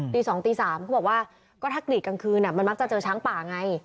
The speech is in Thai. ตี๒ตี๓เขาบอกว่าก็ถ้ากรีดกลางคืนมันมักจะเจอช้างป่าไง